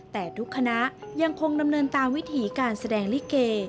แต่ทุกคณะยังคงดำเนินตามวิถีการแสดงลิเก